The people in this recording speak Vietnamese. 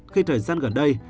khi thời gian gần đây